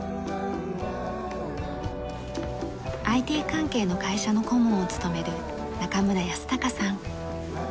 ＩＴ関係の会社の顧問を務める中村泰隆さん。